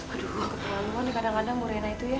aduh keperluan ya kadang kadang bu rena itu ya